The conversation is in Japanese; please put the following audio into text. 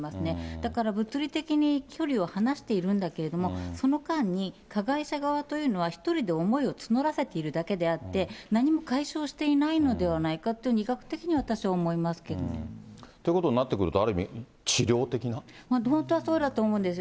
だから物理的に距離を離しているんだけども、その間に、加害者側というのは１人で思いを募らせているだけであって、何も解消していないのではないかと、医学的には私は思いますけれども。ということになってくると、本当はそうだと思うんですよ。